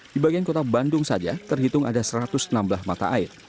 di bagian kota bandung saja terhitung ada satu ratus enam belas mata air